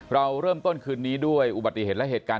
เราเริ่มต้นคืนนี้ด้วยอุบัติเหตุและเหตุการณ์